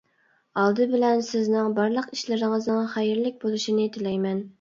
ئالدى بىلەن سىزنىڭ بارلىق ئىشلىرىڭىزنىڭ خەيرلىك بولۇشىنى تىلەيمەن!